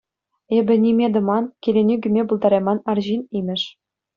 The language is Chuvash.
Эпӗ ниме тӑман, киленӳ кӳме пултарайман арҫын имӗш.